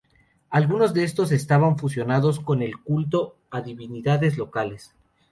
Algunos de estos cultos estaban fusionados con el culto a divinidades locales.